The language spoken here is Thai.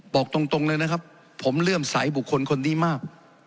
บอกตรงเลยนะครับผมเลื่อมใสบุคคลคนนี้มาก